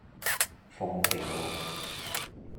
鳳麒路